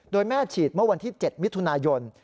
โดยแม่ฉีดเมื่อวันที่๗มิถุนายน